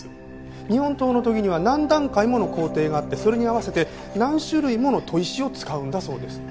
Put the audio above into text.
日本刀の研ぎには何段階もの工程があってそれに合わせて何種類もの砥石を使うんだそうです。